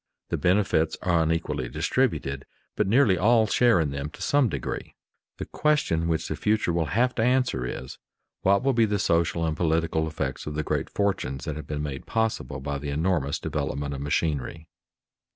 The benefits are unequally distributed, but nearly all share in them to some degree. The question which the future will have to answer is, What will be the social and political effects of the great fortunes that have been made possible by the enormous development of machinery?